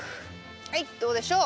はいどうでしょう？